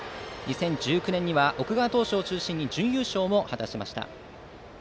２０１５年には奥川投手を中心に準優勝も果たしました。